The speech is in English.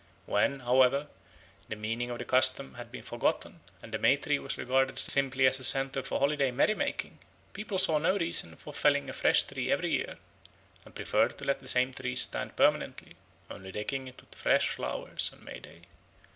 When, however, the meaning of the custom had been forgotten, and the May tree was regarded simply as a centre for holiday merry making, people saw no reason for felling a fresh tree every year, and preferred to let the same tree stand permanently, only decking it with fresh flowers on May Day.